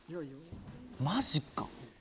マジか。